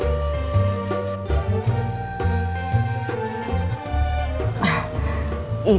sebere pop anakku